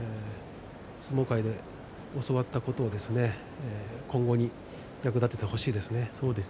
相撲界で教わったことを今後に役立ててほしいですね。